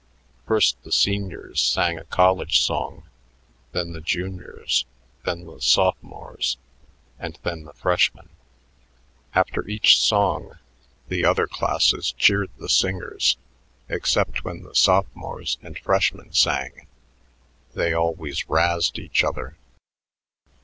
First the seniors sang a college song, then the juniors, then the sophomores, and then the freshmen. After each song, the other classes cheered the singers, except when the sophomores and freshmen sang: they always "razzed" each other.